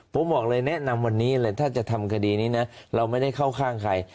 ผมบอกเลยแนะนำวันนี้เลยถ้าจะทำคดีนี้นะเราไม่ได้เข้าข้างใคร